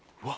うわ！